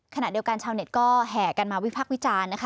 ขณะเดียวกันชาวเน็ตก็แห่กันมาวิพักษ์วิจารณ์นะคะ